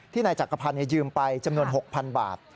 นายจักรพันธ์ยืมไปจำนวน๖๐๐๐บาท